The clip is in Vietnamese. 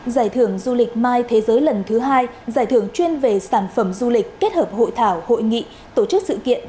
giải thưởng du lịch mai thế giới lần thứ hai giải thưởng chuyên về sản phẩm du lịch kết hợp hội thảo hội nghị tổ chức sự kiện